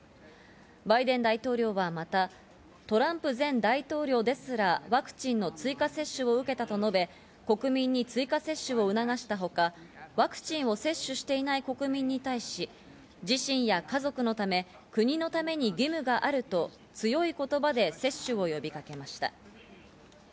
バイデン大統領はまた、トランプ前大統領ですらワクチンの追加接種を受けたと述べ、国民に追加接種を促したほか、ワクチンを接種していない国民に対し、自身や家族のため、国のために義務があると強い言葉で接種を呼びかけました。